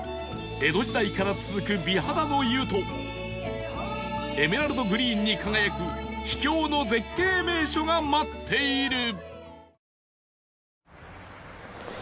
江戸時代から続く美肌の湯とエメラルドグリーンに輝く秘境の絶景名所が待っている